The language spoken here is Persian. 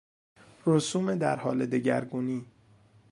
رسوم در حال دگرگونی